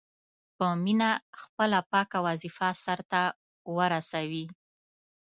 په مینه خپله پاکه وظیفه سرته ورسوي.